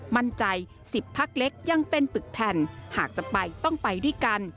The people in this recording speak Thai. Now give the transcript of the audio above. มั่นใจ๑๐พักเล็กยังเป็นปึกแผ่นหากจะไปต้องไปด้วยกัน